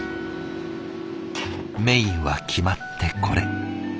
メインは決まってこれ。